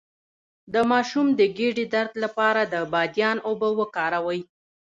د ماشوم د ګیډې درد لپاره د بادیان اوبه وکاروئ